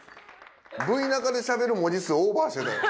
ＶＴＲ中でしゃべる文字数オーバーしてたよ。